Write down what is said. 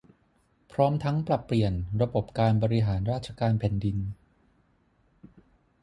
พร้อมทั้งปรับเปลี่ยนระบบการบริหารราชการแผ่นดิน